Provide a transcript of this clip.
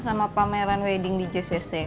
sama pameran wedding di jcc